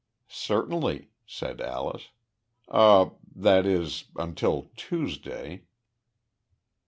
"Certainly," said Alyce, "er that is until Tuesday."